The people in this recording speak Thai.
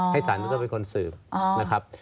ให้ศาลท่านต้นเป็นคนสืบนะครับ